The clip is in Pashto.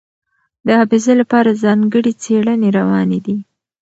د حافظې لپاره ځانګړې څېړنې روانې دي.